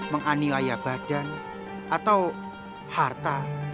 menganilai badan atau harta